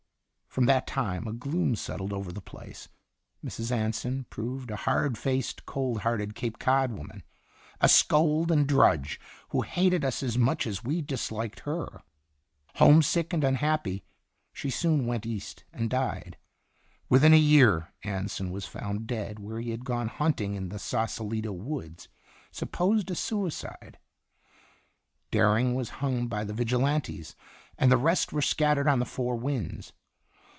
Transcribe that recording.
From that time a gloom settled over the place. Mrs. Anson proved a hard faced, cold hearted, Cape Cod woman, a scold and drudge, who hated us as much as we disliked her. Home sick and unhappy, she soon went East and died. Within a year, Anson was found dead where he had gone hunting in the Saucelito woods, supposed a suicide; Dering was hung by the Vigilantes, and the rest were scattered on the four winds.